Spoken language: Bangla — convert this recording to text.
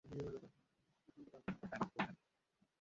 স্যাম, ওখানে!